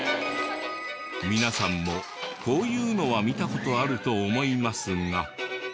皆さんもこういうのは見た事あると思いますが。